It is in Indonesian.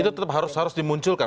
itu tetap harus dimunculkan